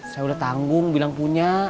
saya udah tanggung bilang punya